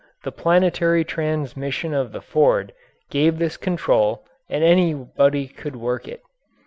The planetary transmission of the Ford gave this control and anybody could work it.